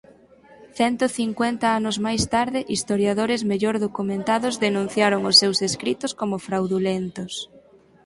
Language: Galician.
Cento cincuenta anos máis tarde historiadores mellor documentados denunciaron os seus escritos como fraudulentos.